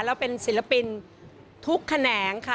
แล้วเป็นศิลปินทุกแขนงค่ะ